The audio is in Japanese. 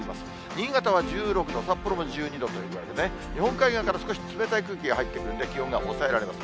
新潟は１６度、札幌も１２度という具合に、日本海側から少し冷たい空気が入って来るんで、気温が抑えられます。